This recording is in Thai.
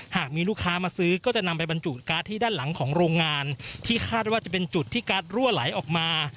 หากมีลูกค้ามาซื้อก็จะนำไปบรรจุการ์ดที่ด้านหลังของโรงงานที่คาดว่าจะเป็นจุดที่การ์ดรั่วไหลออกมา